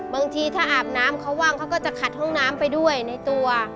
บางทีถ้าอาบน้ำเขาว่างเขาก็จะขัดห้องน้ำไปด้วยในตัว